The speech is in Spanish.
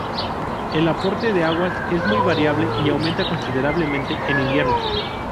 El aporte de agua es muy variable y aumenta considerablemente en invierno.